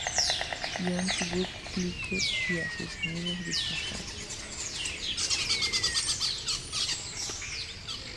John's Wood Clique y a sus amigos disfrazados.